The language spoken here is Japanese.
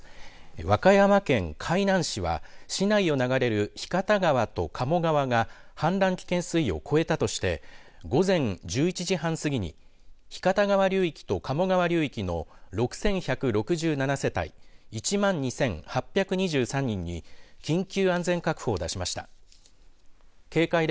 和歌山県海南市は市内を流れる日方川と加茂川が氾濫危険水位を越えたとして午前１１時半過ぎに日方川流域と加茂川流域の６１６７世帯１万２８２３人に緊急安全確保を出しました。